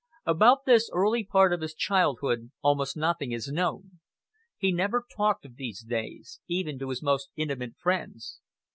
About this early part of his childhood almost nothing is known. He never talked of these days, even to his most intimate friends.